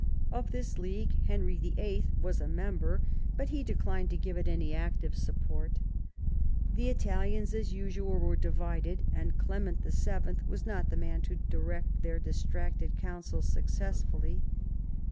Of this League Henry VHL was a member, but he declined to give it any active support The Italians, as usual, were divided, and Clement VIL was not the man to directtheir distracted councils successfully.